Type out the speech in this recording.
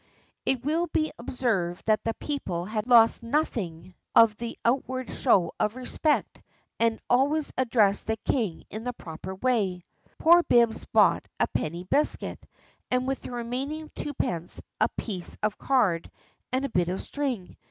It will be observed that the people had lost nothing of the outward show of respect, and always addressed the king in the proper way. Poor Bibbs bought a penny biscuit, and with the remaining twopence a piece of card and a bit of string.